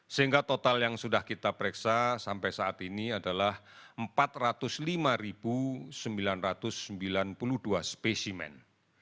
sehingga total yang sudah kita pereksa sampai saat ini adalah empat ratus lima sembilan ratus sembilan puluh dua spesimen